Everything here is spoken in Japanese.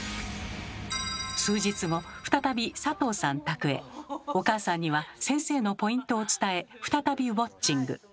数日後お母さんには先生のポイントを伝え再びウォッチング。